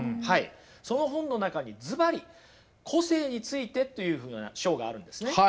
その本の中にずばり「個性について」というふうな章があるんですね。